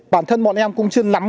bản thân bọn em cũng chưa lắm